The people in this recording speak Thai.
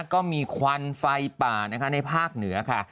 ควันไฟป่านะคะในภาคเหนือค่ะ